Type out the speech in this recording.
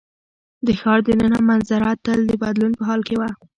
د ښار د ننه منظره تل د بدلون په حال کې وه.